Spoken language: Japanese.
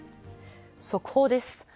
速報です。